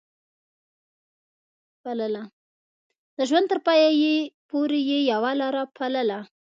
د ژوند تر پايه پورې يې يوه لاره پالله.